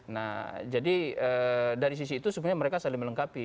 nah jadi dari sisi itu sebenarnya mereka saling melengkapi